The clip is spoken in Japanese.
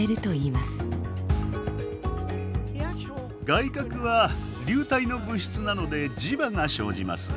外核は流体の物質なので磁場が生じます。